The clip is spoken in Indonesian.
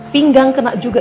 pinggang kena juga